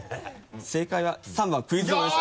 正解は３番クイズ王です。